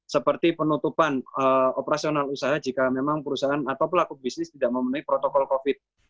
seperti penutupan operasional usaha jika memang perusahaan atau pelaku bisnis tidak memenuhi protokol covid